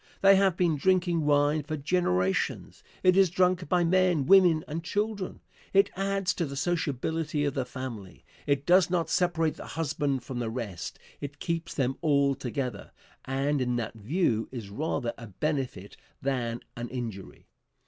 They have been drinking wine for generations. It is drunk by men, women and children. It adds to the sociability of the family. It does not separate the husband from the rest, it keeps them all together, and in that view is rather a benefit than an injury.